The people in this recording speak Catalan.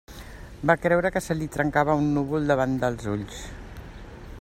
Va creure que se li trencava un núvol davant dels ulls.